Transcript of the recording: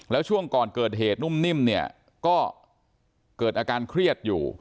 แล้วช่วงก่อนเกิดเหตุนุ่มนิ่มเนี่ยก็เกิดอาการเครียดอยู่